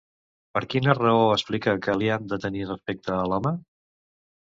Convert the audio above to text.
Per quina raó explica que li han de tenir respecte a l'home?